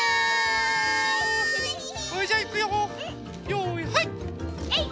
よういはい！